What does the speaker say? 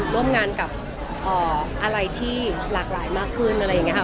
ร่วมงานกับอะไรที่หลากหลายมากขึ้นอะไรอย่างนี้ค่ะ